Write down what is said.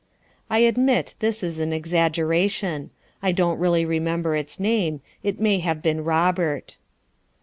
(I admit this is an exaggeration. I don't really remember its name; it may have been Robert.)